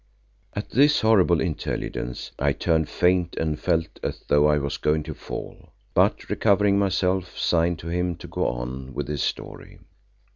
At this horrible intelligence I turned faint and felt as though I was going to fall, but recovering myself, signed to him to go on with his story.